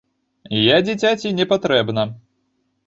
Я дзіцяці не патрэбна.